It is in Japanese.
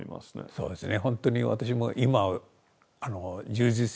そうですね。